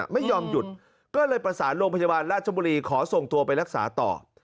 ไม่ยอมหยุดก็เลยประสานโรงพยาบาลราชบุรีขอส่งตัวไปรักษาต่อ